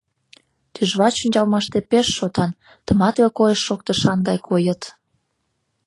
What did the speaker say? Тӱжвач ончалмаште пеш шотан, тыматле койыш-шоктышан гай койыт.